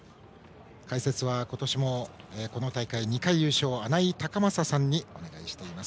解説は今年もこの大会２回優勝穴井隆将さんにお願いしています。